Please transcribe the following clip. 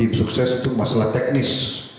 tim sukses itu masalah teknis